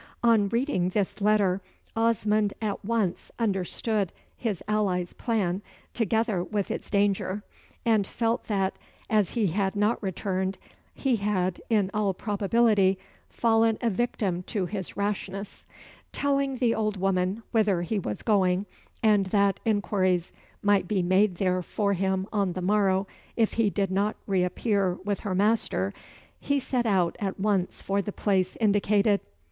On reading this letter, Osmond at once understood his ally's plan, together with its danger, and felt that, as he had not returned, he had, in all probability, fallen a victim to his rashness. Telling the old woman whither he was going, and that inquiries might be made there for him on the morrow, if he did not re appear with her master, he set out at once for the place indicated.